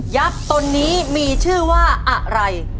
ตนนี้มีชื่อว่าอะไร